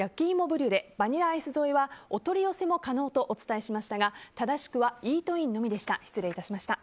ブリュレバニラアイス添えはお取り寄せも可能とお伝えしましたが正しくはイートインのみでした。